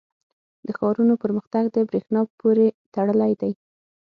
• د ښارونو پرمختګ د برېښنا پورې تړلی دی.